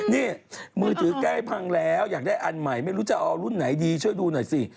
นี่มือถือใกล้พังแล้วอยากได้อันใหม่ไม่รู้จะเอารุ่นไหนดีช่วยดูหน่อยสิ